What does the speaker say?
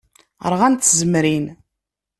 Ṛɣant tzemrin.